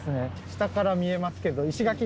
下から見えますけど。